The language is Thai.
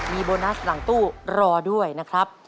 มีโบนัสหลังตู้รอด้วยนะครับ